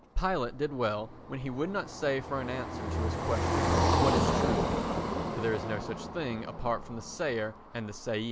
Pilate did well when he would not stay for an answer to his question, What is truth? for there is no such thing apart from the sayer and the sayee.